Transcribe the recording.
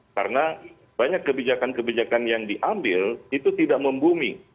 karena banyak kebijakan kebijakan yang diambil itu tidak membumi